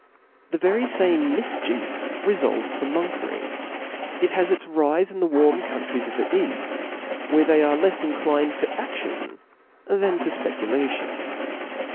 TP H E very fame mifchiefs refult from monkery :■• it had its rife in the warm countries of the Eaft, where they arie left inclined to a6)ion than to fpeculatidn.